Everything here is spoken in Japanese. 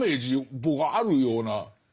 僕はあるような。